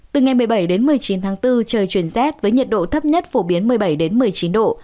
từ ngày một mươi bảy đến một mươi chín tháng bốn trời chuyển rét với nhiệt độ thấp nhất phổ biến một mươi bảy một mươi chín độ